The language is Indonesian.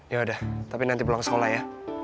yaudah tapi nanti pulang sekolah ya